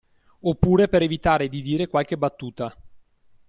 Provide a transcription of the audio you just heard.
Oppure per evitare di dire qualche battuta